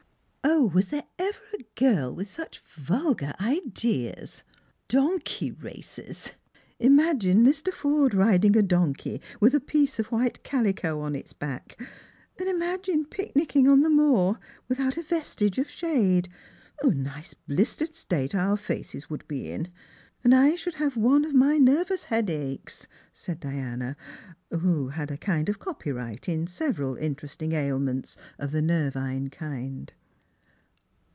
"Was there ever a girl with such vulgar ideas? Donkey races ? Imagine Mr. Forde riding a donkey with a piece of white calico on its back ! And imagine picnicking on the moor, without a vestige of shade ! A nice blistered state our faces would be in ! and I should have one of m;^ nervous headaches," said Diana, who had a kind of copyright in several interesting ailments of the nervine type.